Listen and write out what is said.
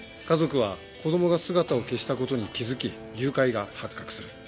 家族は子供が姿を消した事に気づき誘拐が発覚する。